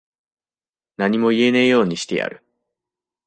何も言えねぇようにしてやる。